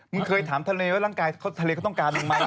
เคยถามทะเลว่าร่างกายทะเลเขาต้องการมึงไหม